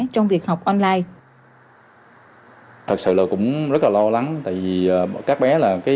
trong việc học online